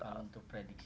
kalau untuk predikasi